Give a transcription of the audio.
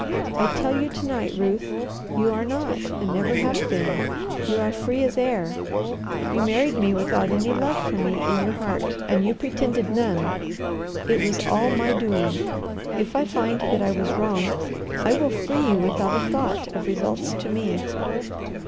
I tell you to night, Ruth, you are not and never have been. You are free as air. You married me without any love for me in your heart, and you pretended none. It was all my doing. If I find that I was wrong, I will free you without a thought of results to me.